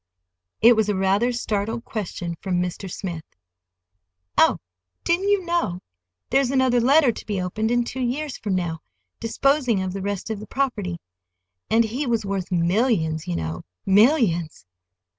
It was a rather startled question from Mr. Smith. "Oh, didn't you know? There's another letter to be opened in two years from now, disposing of the rest of the property. And he was worth millions, you know, millions!"